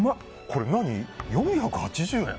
これ、４８０円？